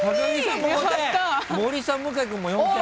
森さん向井君も４点。